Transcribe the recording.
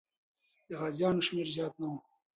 د غازیانو شمېر زیات نه و.